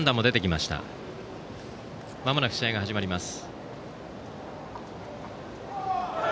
まもなく試合が始まります。